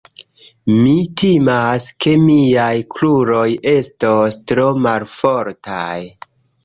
Mi timas, ke miaj kruroj estos tro malfortaj.